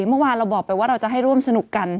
เมื่อวานเราบอกไปว่าเราจะให้ร่วมสนุกกัน